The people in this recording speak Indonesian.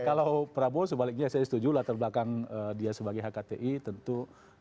kalau prabowo sebaliknya saya setuju latar belakang dia sebagai hkti tentu